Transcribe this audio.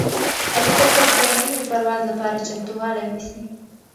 الوتکه د نوي پرواز لپاره چمتووالی نیسي.